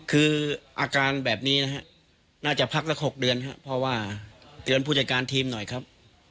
คืออาการแบบนี้นะฮะน่าจะพักละ๖เดือนครับเพราะว่าเตือนผู้จัดการทีมหน่อยครับ